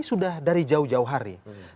sudah dari jauh jauh hari